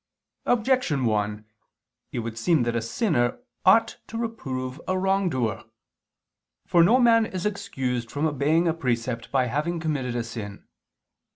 Objection 1: It would seem that a sinner ought to reprove a wrongdoer. For no man is excused from obeying a precept by having committed a sin.